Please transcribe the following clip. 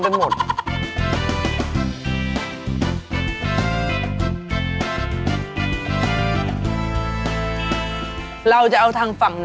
สัตว์สีกำลังน่ากิน